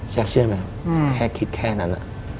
เชื่อไหมครับแค่คิดแค่นั้น